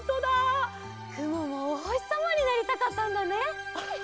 くももおほしさまになりたかったんだね。